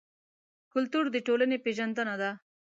کلتور د ټولنې پېژندنه ده.